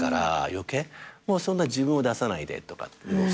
そんな自分を出さないでとか。